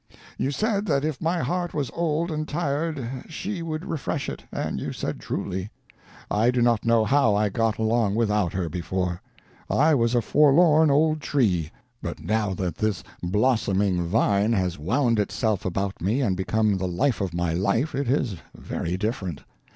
You said that if my heart was old and tired she would refresh it, and you said truly. I do not know how I got along without her, before. I was a forlorn old tree, but now that this blossoming vine has wound itself about me and become the life of my life, it is very different.